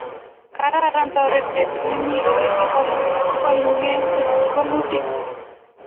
kararan torete nemi ole kibolen bolutik